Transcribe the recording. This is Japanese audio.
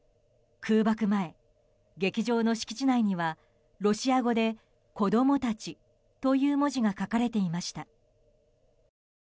空爆前、劇場の敷地内にはロシア語で「子供たち」という文字が書かれていました。